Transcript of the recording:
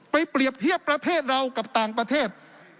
เปรียบเทียบประเทศเรากับต่างประเทศ